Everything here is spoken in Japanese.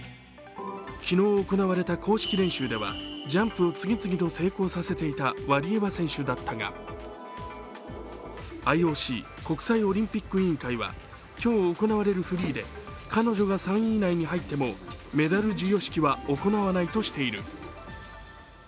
昨日行われた公式練習ではジャンプを次々と成功させていたワリエワ選手だったが、ＩＯＣ＝国際オリンピック委員会は今日行われるフリーで彼女が３位以内に入ってもメダル授与式は行わないとしている。